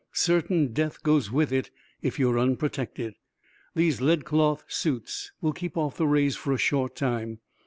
Certain death goes with it if you are unprotected. These lead cloth suits will keep off the rays for a short time.